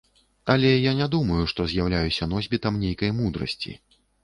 Але я не думаю, што з'яўляюся носьбітам нейкай мудрасці.